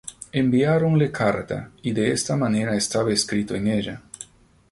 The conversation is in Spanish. Enviáronle carta, y de esta manera estaba escrito en ella.